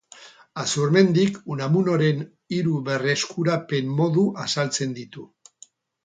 Azurmendik Unamunoren hiru berreskurapen modu azaltzen ditu.